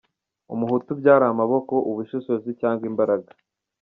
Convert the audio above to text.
Umuhutu byari amaboko, ubushobozi cyangwa imbaraga.